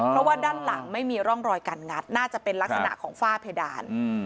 เพราะว่าด้านหลังไม่มีร่องรอยการงัดน่าจะเป็นลักษณะของฝ้าเพดาน